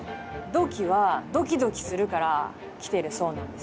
「どきっ！」はドキドキするからきてるそうなんですよ。